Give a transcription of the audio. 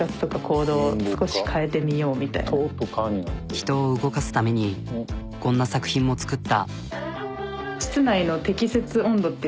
人を動かすためにこんな作品も作った。